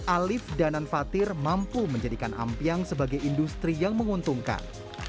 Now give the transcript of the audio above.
alif danan fatir mampu menjadikan ampiang sebagai industri yang menguntungkan